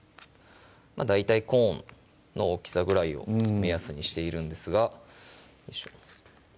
大体コーンの大きさぐらいを目安にしているんですがよいしょ